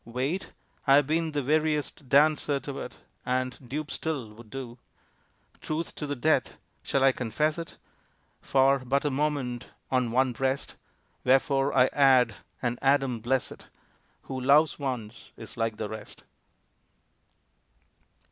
Wait? I have been the veriest dancer To it, and, dupe still, would do Truth to the death shall I confess it? For but a moment on one breast. Wherefore I add and Adam bless it! Who loves once is like the rest.